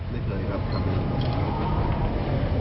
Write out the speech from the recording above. โดยตัวคุณไม่เคย